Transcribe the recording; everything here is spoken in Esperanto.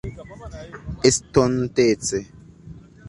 estontece